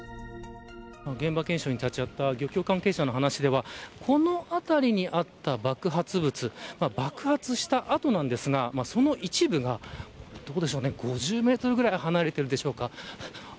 現場検証に立ち会った漁港関係者の話ではこの辺りにあった爆発物爆発した跡なんですがその一部が５０メートルぐらい離れているでしょうか。